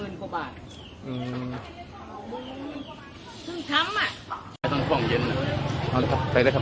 แล้วก็มีตัวข้างอีกตัวเดี๋ยวจ้าสาวนาภพภูมิน่ะที่มันหลูบลุดลงน่ะ